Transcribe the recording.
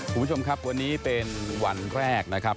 คุณผู้ชมครับวันนี้เป็นวันแรกนะครับ